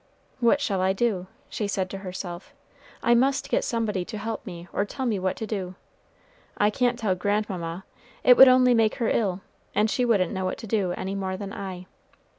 "What shall I do?" she said to herself. "I must get somebody to help me or tell me what to do. I can't tell grandmamma; it would only make her ill, and she wouldn't know what to do any more than I.